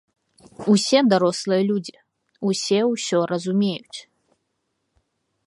Усе дарослыя людзі, усе ўсё разумеюць.